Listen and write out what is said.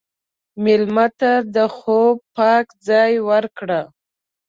مېلمه ته د خوب پاک ځای ورکړه.